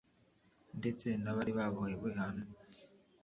ndetse n`abari babohewe hano